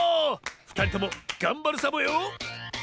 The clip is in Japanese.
ふたりともがんばるサボよ。